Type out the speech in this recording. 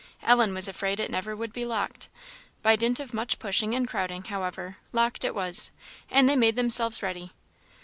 Ellen was afraid it never would be locked. By dint of much pushing and crowding, however, locked it was; and they made themselves ready.